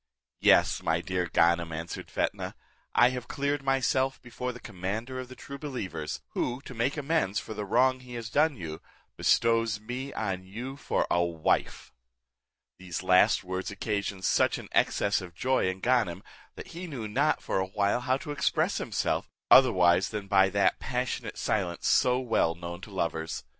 "Yes, my dear Ganem," answered Fetnah, "I have cleared myself before the commander of the true believers, who, to make amends for the wrong he has done you, bestows me on you for a wife." These last words occasioned such an excess of joy in Ganem, that he knew not for a while how to express himself, otherwise than by that passionate silence so well known to lovers.